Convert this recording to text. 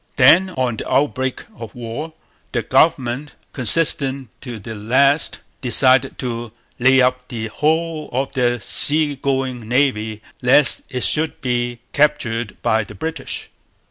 Then, on the outbreak of war, the government, consistent to the last, decided to lay up the whole of their sea going navy lest it should be captured by the British.